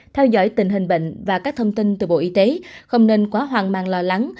theo dõi tình hình bệnh và các thông tin từ bộ y tế không nên quá hoang mang lo lắng